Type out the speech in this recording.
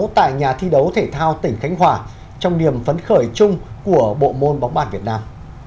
tại nhà thi đấu thể thao tỉnh khánh hòa trong niềm phấn khởi chung của bộ môn bóng bàn việt nam